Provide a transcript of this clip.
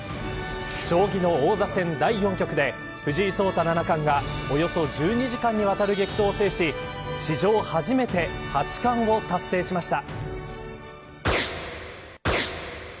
将棋の王座戦第４局で藤井聡太七冠がおよそ１２時間にわたる激闘を制し史上初めて八冠を達成しました。